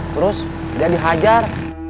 terus dia dihajar